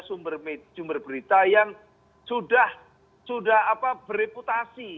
sumber berita yang sudah bereputasi